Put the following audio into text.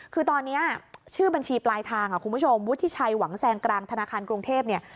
คือตอนนี้ชื่อบัญชีปลายทางคุณผู้ชมวุฒิชัยหวังแซงกลางธนาคารกรุงเทพเนี่ย